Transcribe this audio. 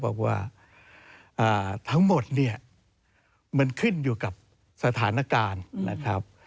บอกว่าทั้งหมดเนี่ยมันขึ้นอยู่กับสถานการณ์นะครับ